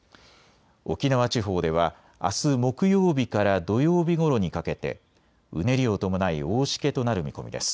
沖縄地方ではあす木曜日から土曜日ごろにかけてうねりを伴い大しけとなる見込みです。